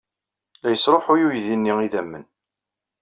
La yesṛuḥuy uydi-nni idammen!